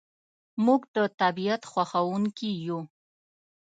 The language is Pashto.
موږ د طبیعت خوښونکي یو.